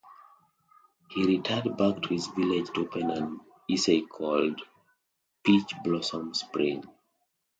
He retired back to his village to pen an essay called "Peach Blossom Spring".